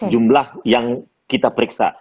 jumlah yang kita periksa